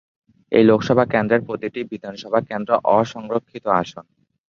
এই লোকসভা কেন্দ্রের প্রতিটি বিধানসভা কেন্দ্র অসংরক্ষিত আসন।